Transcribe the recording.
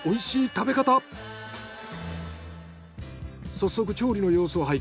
早速。